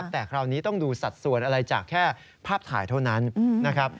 แต่คราวนี้ต้องดูสัดส่วนอะไรจากแค่ภาพถ่ายเท่านั้นนะครับ